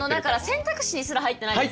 選択肢にすら入ってないですもんね。